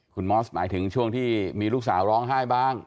คุณมอสหมายถึงช่วงที่มีลูกสาวร้องไห้บ้าง